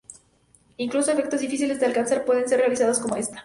Incluso efectos difíciles de alcanzar pueden ser realizados con estas.